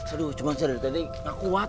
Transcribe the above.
aduh cuman saya dari tadi gak kuat